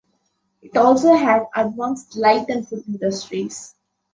It also had advanced light and food industries.